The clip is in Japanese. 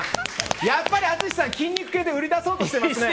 やっぱり、淳さん、筋肉系で売り出そうとしていますね。